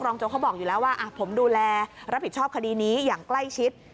โจ๊เขาบอกอยู่แล้วว่าผมดูแลรับผิดชอบคดีนี้อย่างใกล้ชิด